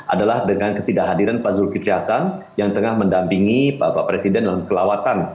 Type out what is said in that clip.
adalah dengan ketidakhadiran pak zulkifli hasan yang tengah mendampingi bapak presiden dalam kelawatan